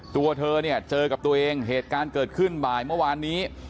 ตัวเธอเนี่ยเจอกับตัวเองเหตุการณ์เกิดขึ้นบ่ายเมื่อวานนี้